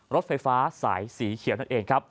รถไฟฟ้าสายสีเขียวนั่นเองครับ